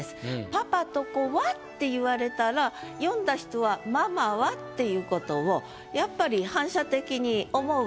「パパと子は」って言われたら読んだ人は「ママは？」っていう事をやっぱり反射的に思うわけです。